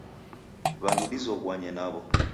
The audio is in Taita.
W'andu dizoghuanye naw'o.